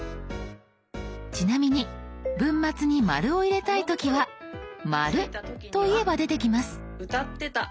ちなみに文末に「。」を入れたい時は「まる」と言えば出てきます。